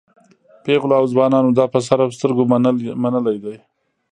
پېغلو او ځوانانو دا په سر او سترګو منلی دی.